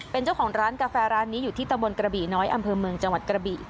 เป็นเจ้าของร้านกาแฟร้านนี้อยู่ที่ตะบนกระบี่น้อยอำเภอเมืองจังหวัดกระบี่